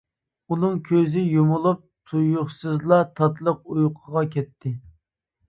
ئۇنىڭ كۆزى يۇمۇلۇپ تۇيۇقسىزلا تاتلىق ئۇيقۇغا كەتتى.